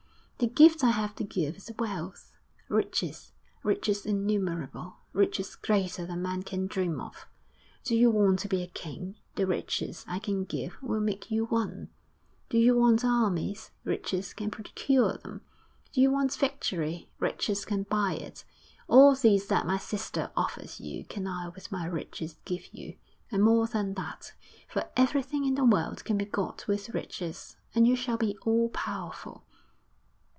'The gift I have to give is wealth, riches riches innumerable, riches greater than man can dream of. Do you want to be a king, the riches I can give will make you one; do you want armies, riches can procure them; do you want victory, riches can buy it all these that my sister offers you can I with my riches give you; and more than that, for everything in the world can be got with riches, and you shall be all powerful.